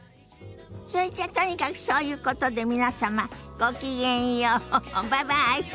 それじゃとにかくそういうことで皆様ごきげんようバイバイ。